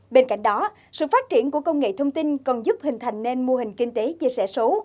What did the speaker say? bên cạnh đó sự phát triển của công nghệ thông tin còn giúp hình thành nên mô hình kinh tế chia sẻ số